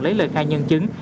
lấy lời khai nhân chứng